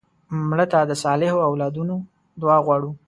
مړه ته د صالحو اولادونو دعا غواړو